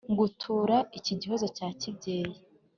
Ngutura iki gihozo cya kibyeyi